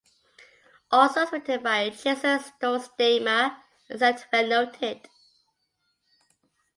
All songs written by Jason Stollsteimer except where noted.